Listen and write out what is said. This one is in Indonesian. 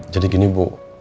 jadi gini ibu